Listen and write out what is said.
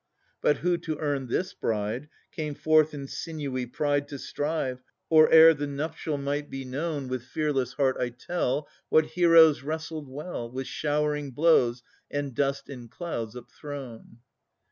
But who, to earn this bride, Came forth in sinewy pride To strive, or e'er the nuptial might be known With fearless heart I tell What heroes wrestled well, With showering blows, and dust in clouds upthrown.